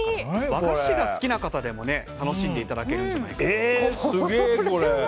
和菓子が好きな方でも楽しんでいただけるんじゃないかと。